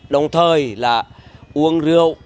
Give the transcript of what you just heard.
đồng thời là uống rượu